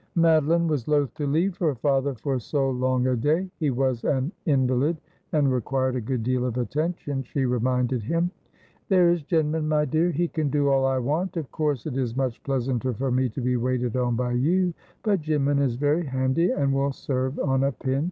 Madoline was loth to leave her father for so long a day. He was an invalid, and required a good deal of attention, she re minded him. ' There is Jinman, my dear ; he can do all I want. Of course it is much pleasanter for me to be waited on by you ; but Jin man is very handy, and will serve on a pinch.'